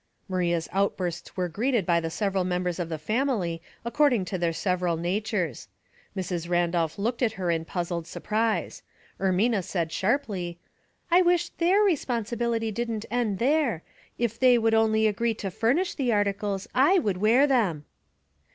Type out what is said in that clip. Maria's outbursts were greeted by the several members of the family according to their several natures. Mrs. Randolph looked at her in puzzled surprise. Ermina said sharply,— " I wish ' their ' responsibility didn't end there. If they would only agree to furnish the articles 1 would wear them."